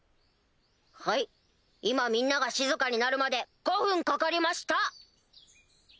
はい今みんなが静かになるまで５分かかりました！